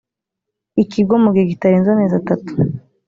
ikigo mu gihe kitarenze amezi atatu